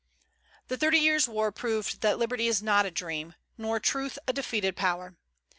The Thirty Years' War proved that liberty is not a dream, nor truth a defeated power.